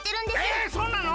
えそうなの！？